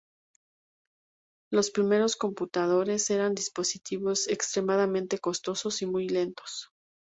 Los primeros computadores eran dispositivos extremadamente costosos y muy lentos.